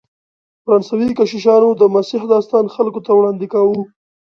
فرانسوي کشیشانو د مسیح داستان خلکو ته وړاندې کاوه.